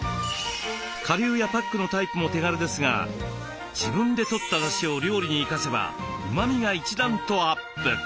顆粒やパックのタイプも手軽ですが自分でとっただしを料理に生かせばうまみが一段とアップ。